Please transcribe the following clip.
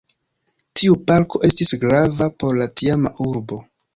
Tiu parko estis grava por la tiama urbo.